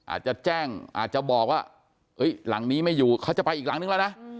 อาจจะแจ้งอาจจะบอกว่าหลังนี้ไม่อยู่เขาจะไปอีกหลังนึงแล้วนะ